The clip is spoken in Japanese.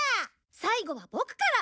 最後はボクから！